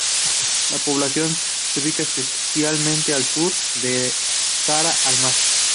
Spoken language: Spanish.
La población se ubica especialmente al sur, de cara al mar.